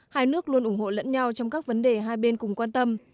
hai nước luôn ủng hộ lẫn nhau trong các vấn đề hai bên cùng quan tâm